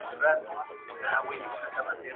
که استدلال لرې نو خلګ دې خبره مني.